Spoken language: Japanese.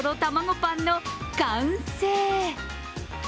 パンの完成。